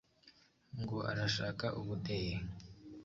ngo arashaka ubudehe